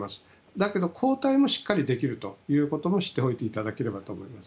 だけど抗体もしっかりできるということも知っておいていただければと思います。